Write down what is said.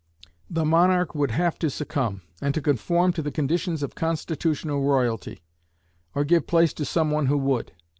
The monarch would have to succumb, and conform to the conditions of constitutional royalty, or give place to some one who would.